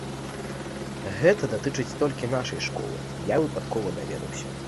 Гэта датычыць толькі нашай школы, я выпадкова даведаўся.